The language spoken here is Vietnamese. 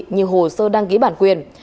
như hồ sơ đăng ký bản quyền